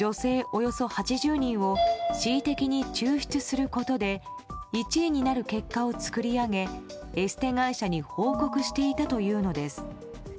およそ８０人を恣意的に抽出することで１位になる結果を作り上げエステ会社に報告していたというのです。